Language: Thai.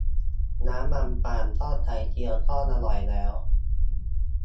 น้ำมันปาล์มทอดไข่เจียวก็อร่อยแล้ว